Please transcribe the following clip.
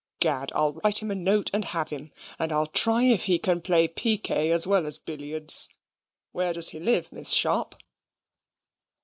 Gad, I'll write him a note, and have him; and I'll try if he can play piquet as well as billiards. Where does he live, Miss Sharp?"